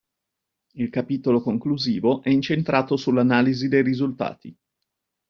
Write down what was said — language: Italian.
Il capitolo conclusivo è incentrato sull'analisi dei risultati.